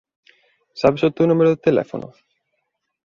Sabes o teu número de teléfono?